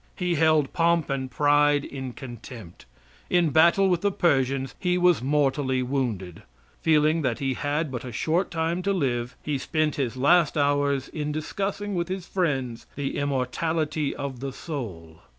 He held pomp and pride in contempt. In battle with the Persians he was mortally wounded. Feeling that he had but a short time to live, he spent his last hours in discussing with his friends the immortality of the soul.